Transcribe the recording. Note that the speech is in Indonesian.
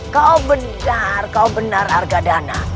kau benar benar argadana